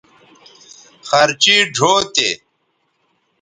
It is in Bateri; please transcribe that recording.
خرچیئ ڙھؤ تے